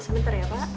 sebentar ya pak